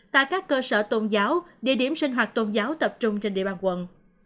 tại các cơ sở tôn giáo địa điểm sinh hoạt tôn giáo tập trung trên địa bàn quận